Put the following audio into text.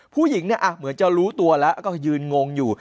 ผู้หญิงเนี่ยเหมือนจะรู้ตัวแล้วก็ยืนงงอยู่